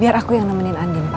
biar aku yang nemenin andien pak